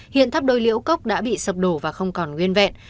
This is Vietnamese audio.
hiện tháp đôi liễu cốc đã bị sập đổ và không còn nguyên vẹn